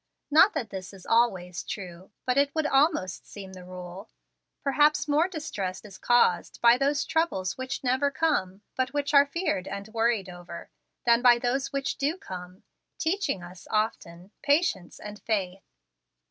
Not that this is always true, but it would almost seem the rule. Perhaps more distress is caused by those troubles which never come, but which are feared and worried over, than by those which do come, teaching us, often, patience and faith.